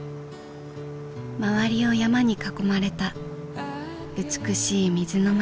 周りを山に囲まれた美しい水の町。